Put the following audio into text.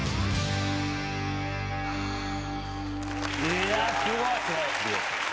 いやすごい！